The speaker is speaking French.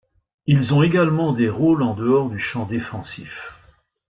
Ils ont également des rôles en dehors du champ défensif.